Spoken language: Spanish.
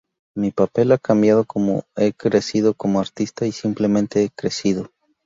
Mi papel ha cambiado como he crecido como artista y simplemente he crecido.